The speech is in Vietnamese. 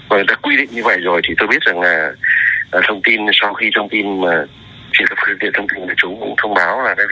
và người ta quy định như vậy rồi thì tôi biết rằng là thông tin sau khi thông tin truyền thông của người chúng cũng thông báo là